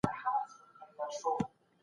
يا د يوه سپين ږيري.